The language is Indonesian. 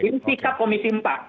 ini sikap komisi empat